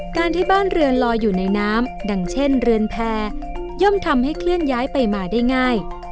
การที่บ้านเรือนลอยอยู่ในน้ำดังเช่นเรือนแพรย่อมทำให้เคลื่อนย้ายไปมาได้ง่าย